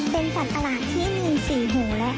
เป็นสัตว์ตลาดที่มี๔หูและ